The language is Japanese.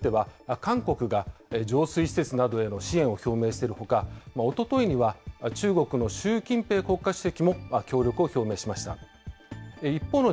新首都の建設を巡っては、韓国が浄水施設などへの支援を表明しているほか、おとといには中国の習近平国家主席も協力を表明しました。